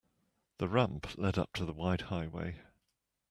The ramp led up to the wide highway.